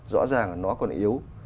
rõ ràng là nó còn yếu